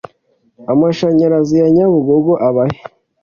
amashanyarazi ya Nyabarongo abahe